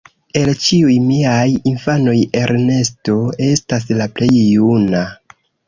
El ĉiuj miaj infanoj Ernesto estas la plej juna.